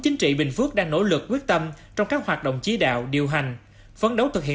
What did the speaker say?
chính trị bình phước đang nỗ lực quyết tâm trong các hoạt động chí đạo điều hành phấn đấu thực hiện